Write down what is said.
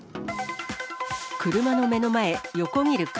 車の目の前、横切る熊。